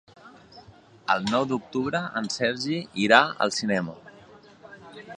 El nou d'octubre en Sergi irà al cinema.